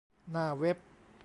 หน้าเว็บ